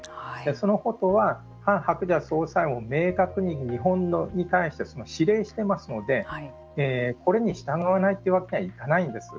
そのことはハン・ハクチャ総裁も明確に日本に対して指令してますのでこれに従わないというわけにはいかないんです。